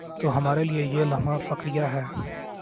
تو ہمارے لئے یہ لمحہ فکریہ ہے۔